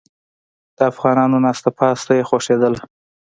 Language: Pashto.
د افغانانو ناسته پاسته یې خوښیدله.